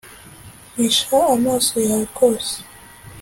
Mpisha amaso yawe rwose